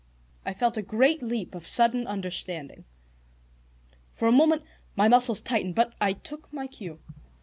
I felt a great leap of sudden understanding. For a moment my muscles tightened, but I took my cue.